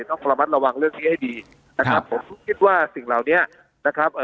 ต้องระมัดระวังเรื่องนี้ให้ดีนะครับผมคิดว่าสิ่งเหล่านี้นะครับ